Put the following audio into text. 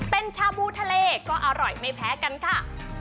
เป็นชาบูทะเลก็อร่อยไม่แพ้กันค่ะ